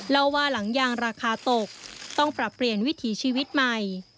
เล่าว่าหลังยางราคาตกต้องปรับเปลี่ยนวิถีชีวิตใหม่